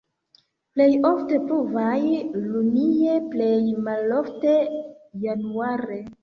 Plej ofte pluvas junie, plej malofte januare.